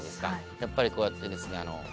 やっぱりこうやってですね